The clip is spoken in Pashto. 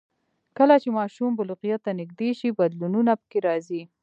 کله چې ماشوم بلوغیت ته نږدې شي، بدلونونه پکې راځي.